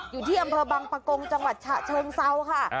อยู่ที่อำเภอบังปะกงจังหวัดฉะเชิงเซาค่ะ